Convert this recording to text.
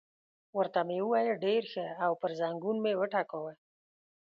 ورته مې وویل: ډېر ښه، او پر زنګون مې وټکاوه.